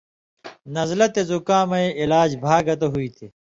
نزلہ تے زکامَیں علاج بھا گتہ ہُوئ تھی